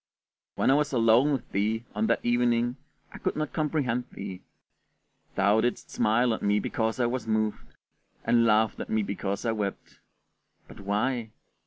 When I was alone with thee on that evening I could not comprehend thee: thou didst smile at me because I was moved, and laughed at me because I wept; but why?